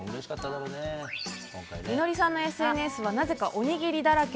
美乃りさんのＳＮＳはなぜか、おにぎりだらけ。